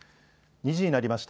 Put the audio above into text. ２時になりました。